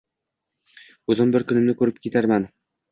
O`zim bir kunimni ko`rib ketarman